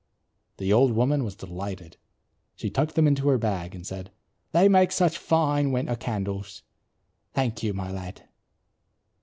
The old woman was delighted. She tucked them into her bag and said, "They make such fine winter candles. Thank you, my lad."